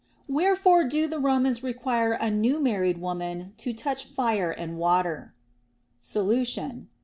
Wherefore do the Romans require a new married woman to touch fire and water \ Solution.